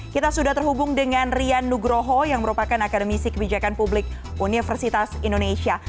kita sudah terhubung dengan rian nugroho yang merupakan akademisi kebijakan publik universitas indonesia